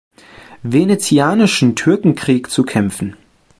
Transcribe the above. Venezianischen Türkenkrieg zu kämpfen.